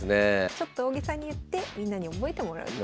ちょっと大げさに言ってみんなに覚えてもらうっていう。